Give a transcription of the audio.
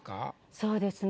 そうですね。